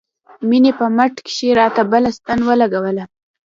مينې په مټ کښې راته بله ستن راولګوله.